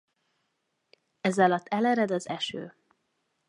Ezalatt elered az eső.